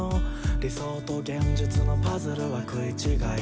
「理想と現実のパズルは食い違い」